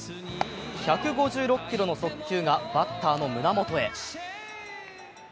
１５６キロの速球がバッターの胸元へ。